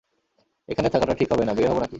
এখানে থাকাটা ঠিক হবে না, বের হবো না-কি?